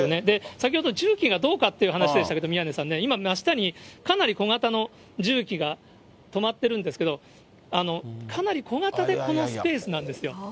先ほど重機がどうかっていう話でしたけど、宮根さんね、今、真下にかなり小型の重機が止まってるんですけど、かなり小型でこのスペースなんですよ。